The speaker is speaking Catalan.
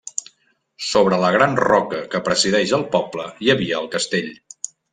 Sobre la gran roca que presideix el poble hi havia el castell.